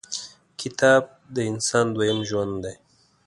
• کتاب، د انسان دویم ژوند دی.